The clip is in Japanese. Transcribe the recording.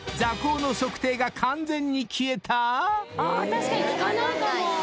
確かに聞かないかも。